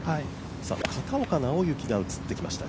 片岡尚之が映ってきました